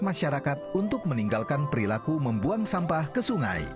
masyarakat untuk meninggalkan perilaku membuang sampah ke sungai